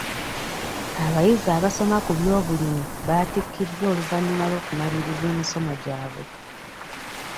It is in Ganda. Abayizi abasoma ku by'obulimi baatikkiddwa oluvannyuma lw'okumaliriza emisomo gyabwe.